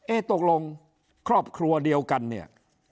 ตกลงครอบครัวเดียวกันเนี่ย